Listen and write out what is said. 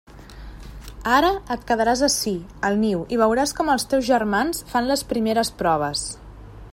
Ara et quedaràs ací al niu i veuràs com els teus germans fan les primeres proves.